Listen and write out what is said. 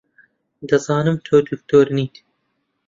دەزانم تۆ دکتۆر نیت.